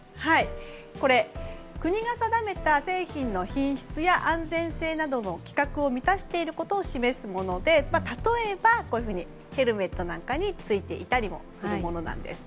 これ、国が定めた製品の品質や安全性などの規格を満たしていることを示すもので例えば、ヘルメットなんかについていたりもするものです。